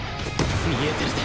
見えてるぜ